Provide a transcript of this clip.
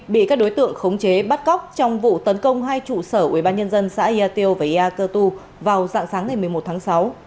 bị các đối tượng khống chế bắt cóc trong vụ tấn công hai trụ sở ubnd xã yatio và yacatu vào dạng sáng ngày một mươi một tháng sáu